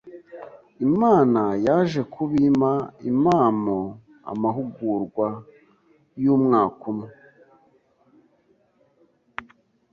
Imana yaje kubimpa, impamo amahugurwa y’umwaka umwe.